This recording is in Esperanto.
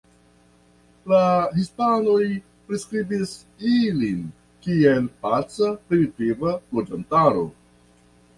La hispanoj priskribis ilin kiel paca primitiva loĝantaro.